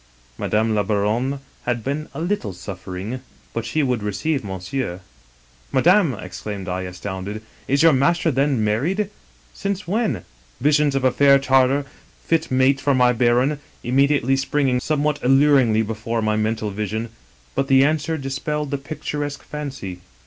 Madame la Baronne had been a little suffering, but she would receive monsieur!' "' Madame !' exclaimed I, astounded, ' is your master then married? — since when?* — ^visions of a fair Tartar, fit mate for my baron, immediately springing somewhat al luringly before my mental vision. But the answer dispelled the picturesque fancy.